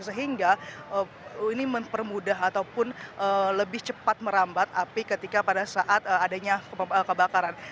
sehingga ini mempermudah ataupun lebih cepat merambat api ketika pada saat adanya kebakaran